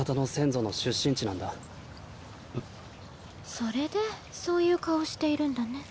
それでそういう顔しているんだね。